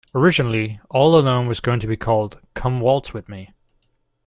Originally, "All Alone" was going to be called "Come Waltz With Me".